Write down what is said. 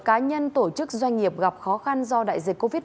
cá nhân tổ chức doanh nghiệp gặp khó khăn do đại dịch covid một mươi